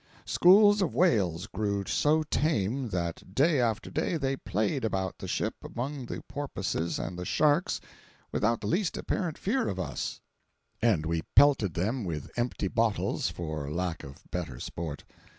Schools of whales grew so tame that day after day they played about the ship among the porpoises and the sharks without the least apparent fear of us, and we pelted them with empty bottles for lack of better sport.